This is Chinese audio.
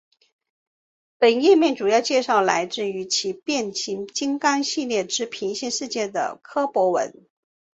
本页面主要介绍了来自于其他变形金刚系列之平行世界的柯博文。